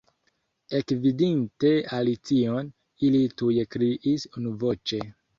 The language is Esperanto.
Ekvidinte Alicion, ili tuj kriis unuvoĉe.